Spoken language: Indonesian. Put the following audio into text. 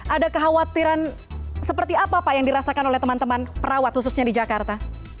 ada kekhawatiran seperti apa pak yang dirasakan oleh teman teman perawat khususnya di jakarta